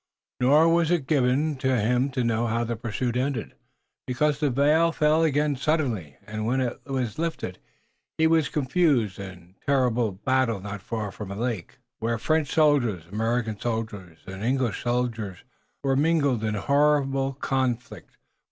Nor was it given to him to know how the pursuit ended, because the veil fell again suddenly, and when it was lifted he was in a confused and terrible battle not far from a lake, where French soldiers, American soldiers and English soldiers were mingled in horrible conflict.